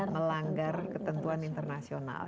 melanggar ketentuan internasional